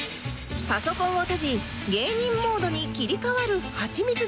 パソコンを閉じ芸人モードに切り替わるハチミツ